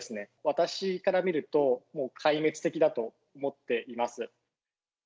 私から見ると、もう壊滅的だと思っています。